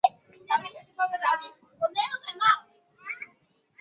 祠后有大宝山战役阵亡将士墓。